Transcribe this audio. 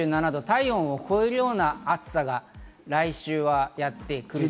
体温を超えるような暑さが来週はやってくる。